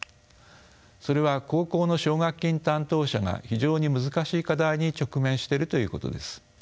それは高校の奨学金担当者が非常に難しい課題に直面してるということです。